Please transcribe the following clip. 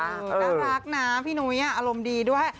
น่ารักนะพี่นุ้ยอารมณ์ดีด้วย